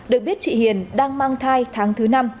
được biết chị hiền đang mang thai tháng thứ năm